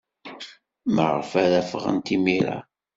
Maɣef ara ffɣent imir-a?